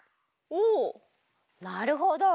おなるほど！